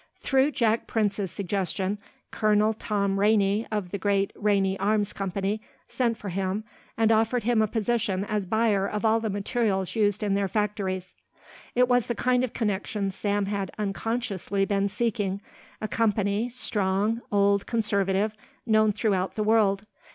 Through Jack Prince's suggestion Colonel Tom Rainey of the great Rainey Arms Company sent for him and offered him a position as buyer of all the materials used in their factories. It was the kind of connection Sam had unconsciously been seeking a company, strong, old, conservative, known throughout the world.